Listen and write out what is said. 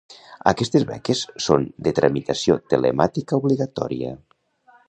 Aquestes beques són de tramitació telemàtica obligatòria.